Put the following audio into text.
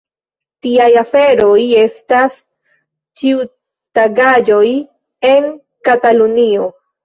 Tiaj aferoj estas ĉiutagaĵoj en Katalunio.